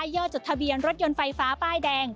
ยอดจดทะเบียนรถยนต์ไฟฟ้าป้ายแดง